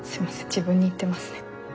自分に言ってますね。